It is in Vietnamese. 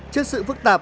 trước sự phức tạp